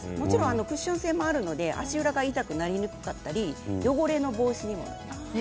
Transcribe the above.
クッション性もあるので足裏が痛くなりにくかったり汚れ防止にもなります。